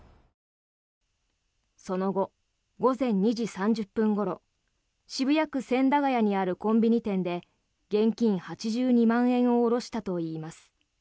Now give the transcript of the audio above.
その後、午前２時３０分ごろ渋谷区千駄ヶ谷にあるコンビニ店で現金８２万円を下ろしたといいます。